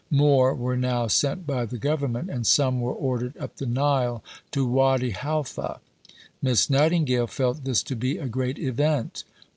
More were now sent by the Government, and some were ordered up the Nile to Wady Halfa. Miss Nightingale felt this to be a great event.